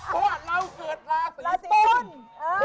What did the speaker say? เพราะว่าเราเกิดราศีตุล